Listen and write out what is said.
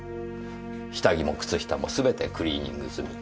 下着も靴下もすべてクリーニング済み。